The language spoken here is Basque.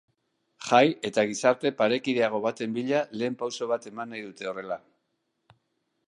Jai eta gizarte parekideago baten bila lehen pauso bat eman nahi dute horrela.